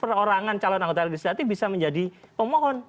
perorangan calon anggota legislatif bisa menjadi pemohon